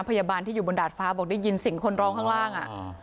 พยาบาลที่อยู่บนดาดฟ้าบอกได้ยินเสียงคนร้องข้างล่าง